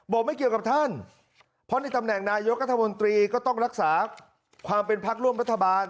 ไม่เกี่ยวกับท่านเพราะในตำแหน่งนายกรัฐมนตรีก็ต้องรักษาความเป็นพักร่วมรัฐบาล